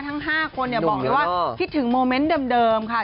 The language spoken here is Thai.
ทั้ง๕คนบอกเลยว่าคิดถึงโมเมนต์เดิมค่ะ